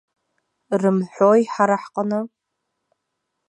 Рымҳәои ҳара ҳҟны?